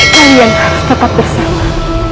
kalian harus tetap bersama